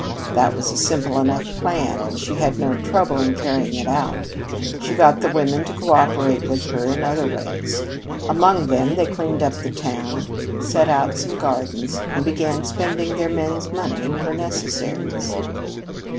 That was a simple enough plan, and she had no trouble in carrying it out. She got the women to cooperate with her in other ways. Among them they cleaned up the town, set out some gardens, and began spending their men's money for necessaries.